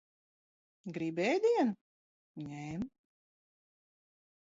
Gribi ēdienu? Ņem.